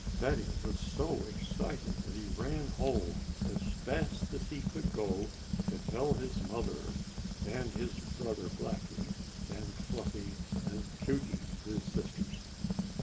Fatty was so excited that he ran home as fast as he could go, to tell his mother, and his brother Blackie, and Fluffy and Cutey, his sisters.